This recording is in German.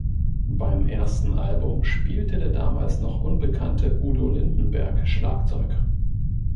Beim ersten Album spielte der damals noch unbekannte Udo Lindenberg Schlagzeug.